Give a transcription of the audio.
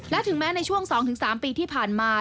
และถึงแม้ในช่วง๒๓ปีที่ผ่านมา